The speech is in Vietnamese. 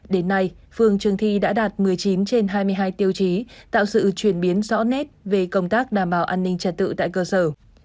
đến nay phường trường thi đã đạt một mươi chín trên hai mươi hai tiêu chí tạo sự chuyển biến rõ nét về công tác đảm bảo an ninh trật tự tại cơ sở